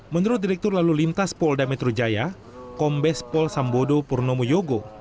menurut direktur lalu limtas pol damitrujaya kombes pol sambodo purnomo yogo